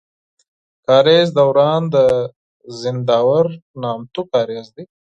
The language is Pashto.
کاريز دوران د زينداور نامتو کاريز دی.